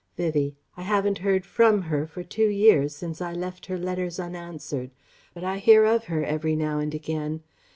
Vivie: "I haven't heard from her for two years, since I left her letters unanswered. But I hear of her every now and again.